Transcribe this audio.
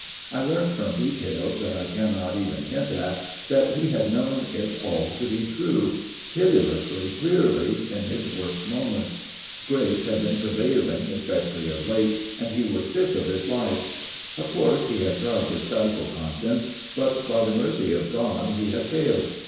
I learnt, from details that I cannot even hint at, that he had known it all to be true, pitilessly clearly, in his worst moments. Grace had been prevailing, especially of late, and he was sick of his life. Of course he had tried to stifle conscience, but by the mercy of God he had failed.